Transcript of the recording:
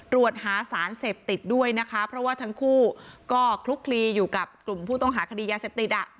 ตรวจหาสารเสพติดด้วยนะคะเพราะว่าทั้งคู่ก็คลุกคลีอยู่กับกลุ่มผู้ต้องหาคดียาเสพติดอ่ะ